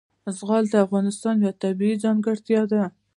زغال د افغانستان یوه طبیعي ځانګړتیا ده.